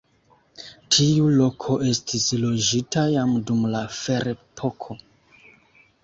Tiu loko estis loĝita jam dum la ferepoko.